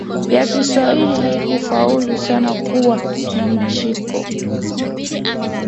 ya Kiswahili haikufaulu sana kuwa na mashiko